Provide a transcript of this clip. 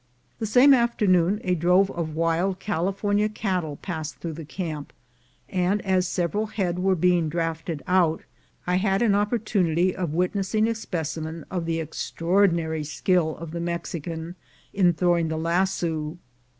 The same afternoon a drove of wild California cattle passed through the camp, and as several head were being drafted out, I had an opportunity of witnessing a specimen of the extraordinary skill of the Mexican in throwing the lasso.